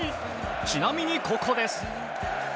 ちなみにここです。